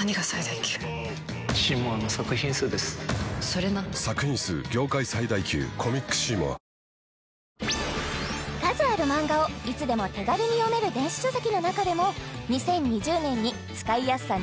それとも数あるマンガをいつでも手軽に読める電子書籍の中でも２０２０年に使いやすさ